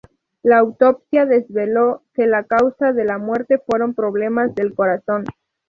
La autopsia desveló que la causa de la muerte fueron problemas del corazón.